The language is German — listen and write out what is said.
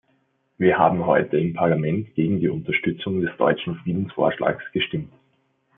Wir haben heute im Parlament gegen die Unterstützung des deutschen Friedensvorschlags gestimmt.